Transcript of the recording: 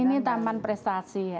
ini taman prestasi ya